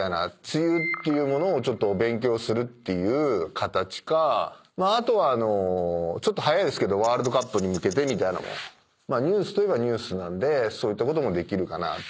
梅雨っていうものをちょっと勉強するっていう形かあとはちょっと早いですけどワールドカップに向けてみたいなのもニュースといえばニュースなんでそういったこともできるかなと。